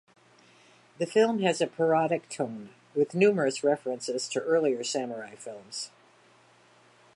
The film has a parodic tone, with numerous references to earlier samurai films.